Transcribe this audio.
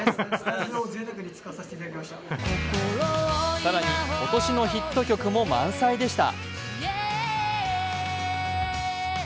更に今年のヒット曲も満載でした。